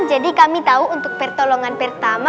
jadi kami tahu untuk pertolongan pertama